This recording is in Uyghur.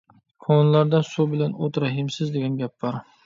كونىلاردا: «سۇ بىلەن ئوت رەھىمسىز» دېگەن گەپ بار.